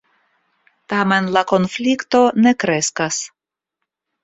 Tamen la konflikto ne kreskas.